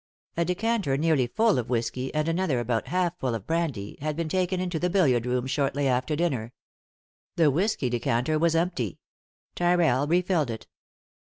A decanter nearly full of whisky, and another about half full ot brandy, had been taken into the billiard room shortly after dinner. The whisky decanter was empty. Tyrrell refilled it.